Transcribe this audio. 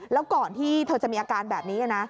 แล้วก่อนที่เธอจะมีอาการแบบนี้นะ